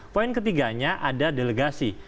poin ketiganya ada delegasi